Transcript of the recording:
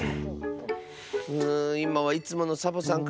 うんいまはいつものサボさんか。